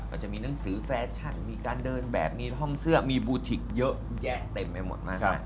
ก็จะมีหนังสือแฟชั่นมีการเดินแบบมีห้องเสื้อมีบูทิกเยอะแยะเต็มไปหมดมากนะ